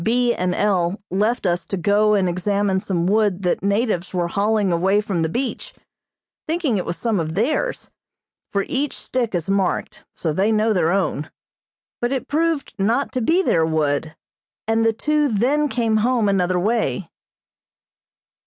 B. and L. left us to go and examine some wood that natives were hauling away from the beach, thinking it was some of theirs, for each stick is marked, so they know their own; but it proved not to be their wood, and the two then came home another way.